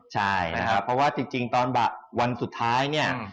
ใช่นะครับเพราะว่าจริงตอนวันสุดท้ายเนี่ย